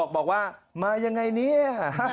มีคนบอกว่ามายังไงเงี้ย